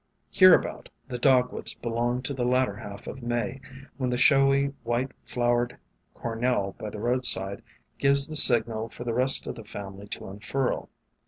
Hereabout the Dogwoods belong to the latter half of May, when the showy White flowering Cornel by the roadside gives the signal for the rest of the family to unfurl.